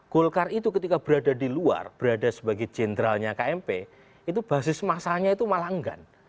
golkar itu ketika berada di luar berada sebagai jenderalnya kmp itu basis masanya itu malah enggan